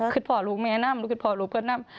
คือพ่อลูกแม่นั่นลูกคือพ่อลูกเพื่อนนั่น